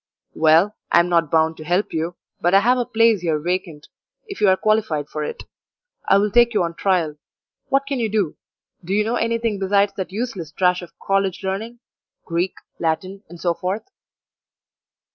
"Well, I am not bound to help you, but I have a place here vacant, if you are qualified for it. I will take you on trial. What can you do? Do you know anything besides that useless trash of college learning Greek, Latin, and so forth?"